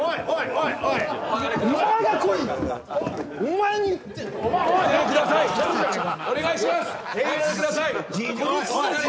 おいおいおい黙れ